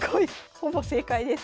ほぼ正解です！